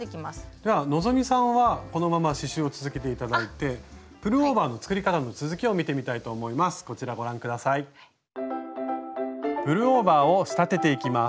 じゃあ希さんはこのまま刺しゅうを続けて頂いてプルオーバーの作り方の続きを見てみたいと思います。